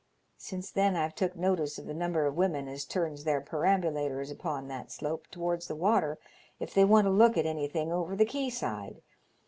Since then I've took notice of the number of women as turns their perambu lators upon that slope towards the water if they want to look at anything over the quay side.